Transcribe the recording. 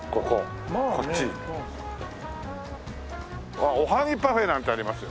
あっおはぎパフェなんてありますよ。